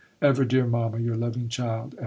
Ever, dear Mama, your loving child, F.